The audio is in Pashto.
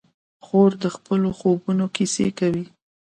خور د خپلو خوبونو کیسې کوي.